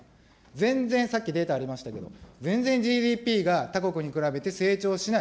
全然さっきデータありましたけど、全然ＧＤＰが他国に比べて成長しない。